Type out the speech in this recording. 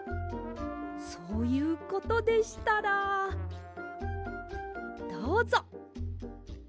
そういうことでしたらどうぞ。